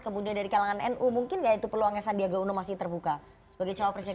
kemudian dari kalangan nu mungkin nggak itu peluangnya sandiaga uno masih terbuka sebagai cawapresnya